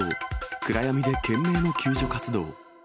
暗闇で懸命の救助活動。